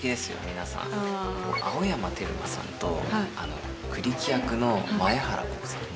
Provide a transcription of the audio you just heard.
皆さん青山テルマさんとはい栗木役の前原滉さん